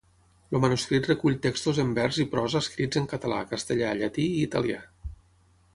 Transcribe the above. El manuscrit recull textos en vers i prosa escrits en català, castellà, llatí i italià.